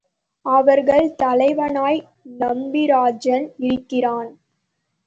அவர்கள் தலைவனாய் நம்பிராஜன் இருக்கிறான்.